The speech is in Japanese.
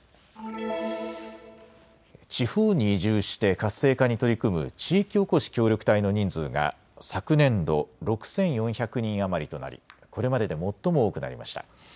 地方に移住して活性化に取り組む地域おこし協力隊の人数が昨年度、６４００人余りとなりこれまでで最も多くなりました。